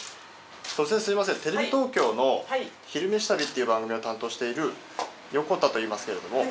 テレビ東京の「昼めし旅」っていう番組を担当している横田といいますけれども。